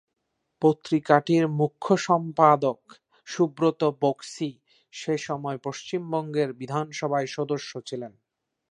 পত্রিকাটির মুখ্য সম্পাদক সুব্রত বক্সী সেসময় পশ্চিমবঙ্গের বিধানসভার সদস্যও ছিলেন।